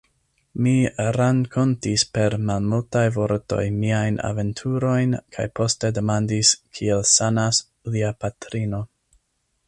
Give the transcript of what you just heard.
Mi rankontis per malmultaj vortoj miajn aventurojn kaj poste demandis, kiel sanas lia patrino.